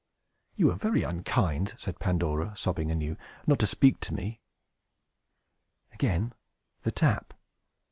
"You are very unkind," said Pandora, sobbing anew, "not to speak to me!" Again the tap!